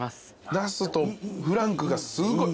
ナスとフランクがすごい。